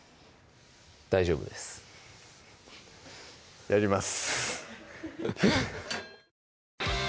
大丈夫ですやります